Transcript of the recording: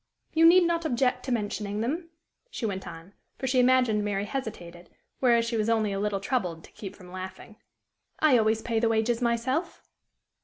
"You need not object to mentioning them," she went on, for she imagined Mary hesitated, whereas she was only a little troubled to keep from laughing; "I always pay the wages myself."